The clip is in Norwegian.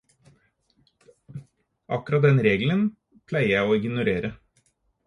Akkurat den regelen pleier jeg å ignorere.